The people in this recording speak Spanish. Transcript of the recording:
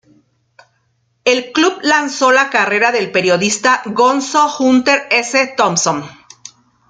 El club lanzó la carrera del periodista "Gonzo" Hunter S. Thompson.